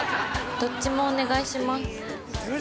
◆どっちもお願いします。